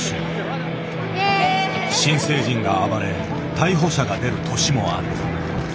新成人が暴れ逮捕者が出る年もある。